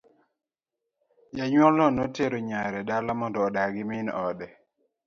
Janyuolno notero nyare dala mondo odag gi min ode.